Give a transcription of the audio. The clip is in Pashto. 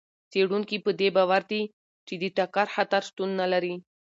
څېړونکي په دې باور دي چې د ټکر خطر شتون نه لري.